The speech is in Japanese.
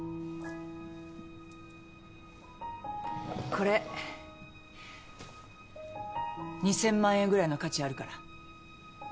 これ２，０００万円ぐらいの価値あるから。